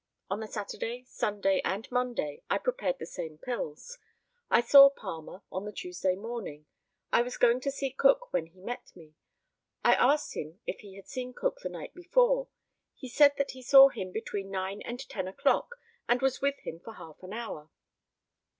On the Saturday, Sunday, and Monday, I prepared the same pills. I saw Palmer on the Tuesday morning. I was going to see Cook when he met me. I asked him if he had seen Cook the night before. He said that he saw him between nine and ten o'clock, and was with him for half an hour.